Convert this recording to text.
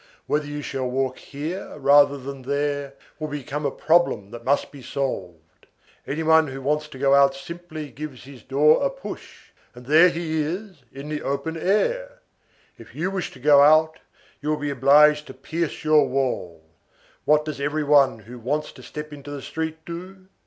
Whether you shall walk here rather than there, will become a problem that must be solved. Any one who wants to go out simply gives his door a push, and there he is in the open air. If you wish to go out, you will be obliged to pierce your wall. What does every one who wants to step into the street do?